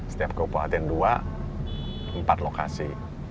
setiap kabupaten dua empat lokasi